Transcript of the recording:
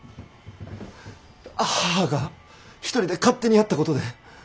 母が一人で勝手にやったことで。